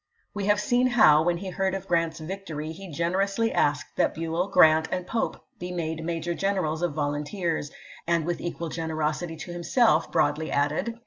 We have seen how, when he heard of Grant's victory, he generously asked that Buell, Grant, and Pope be made major generals of volunteers^ and with equal generosity to himself broadly added, Vol.